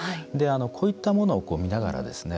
こういったものを見ながらですね